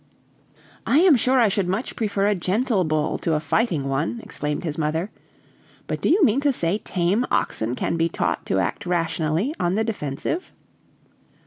"I am sure I should much prefer a gentle bull to a fighting one!" exclaimed his mother; "but do you mean to say tame oxen can be taught to act rationally on the defensive?"